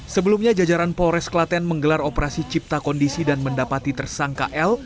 sebelumnya jajaran polres kelaten menggelar operasi cipta kondisi dan mendapati tersangka l